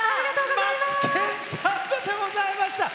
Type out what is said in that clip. マツケンさんでございました。